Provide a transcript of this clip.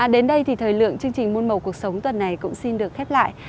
đến đây thì thời lượng chương trình môn màu cuộc sống tuần này cũng xin được khép lại